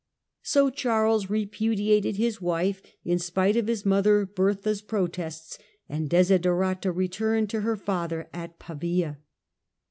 So Charles repudiated his wife, in spite of his mother Bertha's protests, and De siderata returned to her father at Pavia.